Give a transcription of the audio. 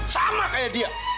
sama kayak dia